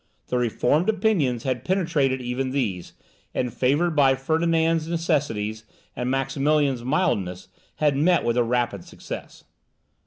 The reformed opinions had penetrated even these, and favoured by Ferdinand's necessities and Maximilian's mildness, had met with a rapid success.